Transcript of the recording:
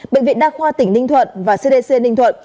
bệnh viện đa khoa tỉnh ninh thuận và cdc ninh thuận